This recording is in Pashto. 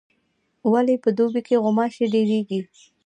ولي په دوبي کي غوماشي ډیریږي؟